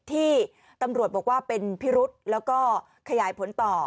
ที่ตำรวจบอกว่าเป็นพิรุธแล้วก็ขยายผลต่อ